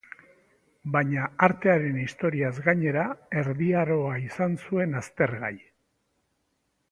Baina artearen historiaz gainera, Erdi Aroa izan zuen aztergai.